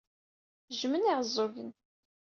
Jjmen Iɛeẓẓugen.